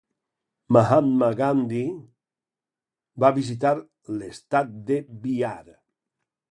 Mahatma Gandhi va visitar l'estat de Bihar.